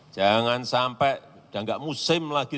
jangan sampai sudah enggak musim lagi